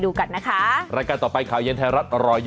ยับประสิทธิ์ที่โมเมตุรักกันที่ยุคกุรัม